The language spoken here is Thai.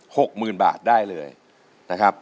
หกหมื่นบาทได้เลยนะครับ